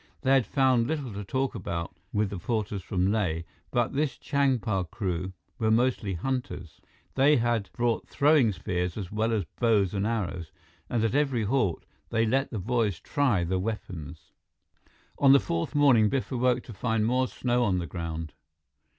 They had found little to talk about with the porters from Leh, but this Changpa crew were mostly hunters. They had brought throwing spears as well as bows and arrows, and at every halt, they let the boys try the weapons. On the fourth morning, Biff awoke to find more snow on the ground.